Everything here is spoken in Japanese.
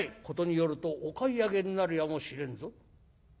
「事によるとお買い上げになるやもしれんぞ」。